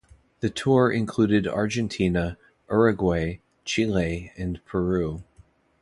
The tour included Argentina, Uruguay, Chile and Peru.